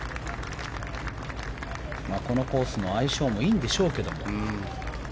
このコースの相性もいいんでしょうけど。